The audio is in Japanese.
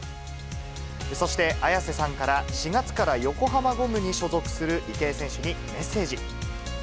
そして、綾瀬さんから４月から横浜ゴムに所属する池江選手にメッセージ。